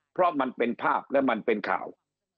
เพราะมันเป็นภาพและมันเป็นข่าว